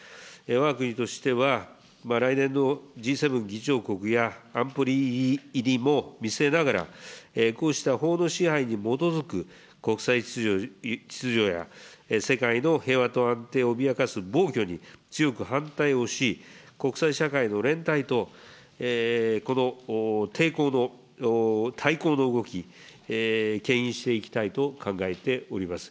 わが国としては、来年のＧ７議長国や、安保理入りも見据えながら、こうした法の支配に基づく国際秩序や世界の平和と安定を脅かす暴挙に強く反対をし、国際社会の連帯と、このたいこうの動き、けん引していきたいと考えております。